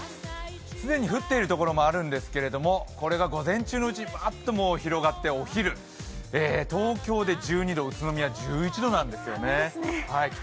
既に降っている所もあるんですけれども、これが午前中のうちにパッと広がってお昼東京で１２度、宇都宮１１度なんですよね。